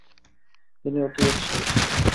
তিনি অতি উৎসাহী ছিলেন।